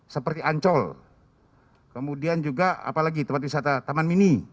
seperti ancol kemudian juga apalagi tempat wisata taman mini